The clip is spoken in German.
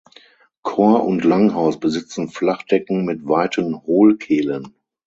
Chor und Langhaus besitzen Flachdecken mit weiten Hohlkehlen.